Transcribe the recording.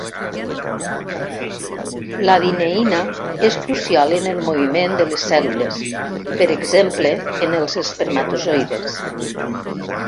La dineïna és crucial en el moviment de les cèl·lules per exemple en els espermatozoides.